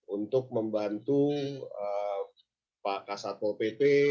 untuk membantu pak kasatpol pp